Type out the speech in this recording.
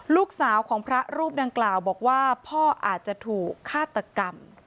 ลูกสาวของพระรูปดังกล่าวบอกว่าพ่ออาจจะถูกฆาตกรรม